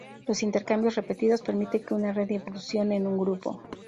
Los intercambios repetidos permiten que una red evolucione en un grupo.